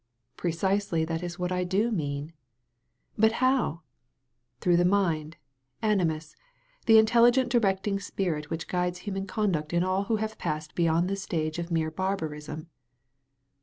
^* Precisely that is what I do mean." "But how?" '* Through the mind, animus, the intelligent di recting spirit which guides hmnan conduct in all who have passed beyond the stage of mere bar barism."